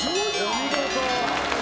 お見事！